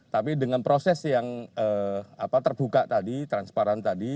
tapi dengan proses yang terbuka tadi transparan tadi